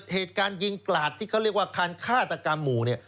เหตุการณ์ยิงกลาดที่เขาเรียกว่าการฆาตกรรมหมู่เนี่ย